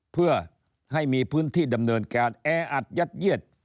เพื่อให้มีพื้นที่ดำเนินการแออัดยัดเยียด